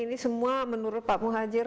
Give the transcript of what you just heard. ini semua menurut pak muhajir